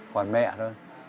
còn mẹ thôi